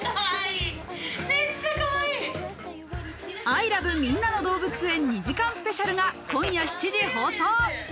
『ＩＬＯＶＥみんなのどうぶつ園』２時間スペシャルが今夜７時放送。